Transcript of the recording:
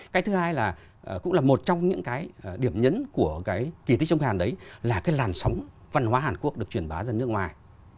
cái thứ hai là cũng là một trong những cái điểm nhấn của cái kỳ tích trong hàn đấy là cái làn sóng văn hóa hàn quốc được truyền bá ra nước ngoài